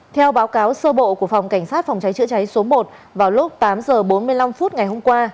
theo báo cáo sơ bộ của phòng cảnh sát phòng cháy chữa cháy số một vào lúc tám h bốn mươi năm phút ngày hôm qua